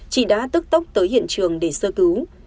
chị đã tức tốc tới hiện trường để sơ cứu